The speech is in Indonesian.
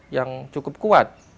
yang cukup kuat